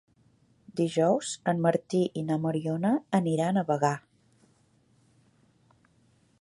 Dijous en Martí i na Mariona aniran a Bagà.